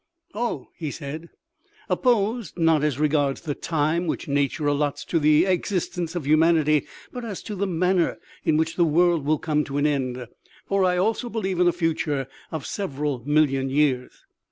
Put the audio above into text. " Oh," he said, " opposed, not as regards the time which nature allots to the existence of humanity, but as to the manner in which the world will come to an end ; for I also believe in a future of several million years.